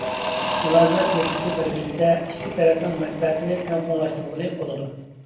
مۇلازىمەت مۇددىتى بەلگىلىسە، ئىككى تەرەپنىڭ مەنپەئەتىنى تەڭپۇڭلاشتۇرغىلى بولىدۇ.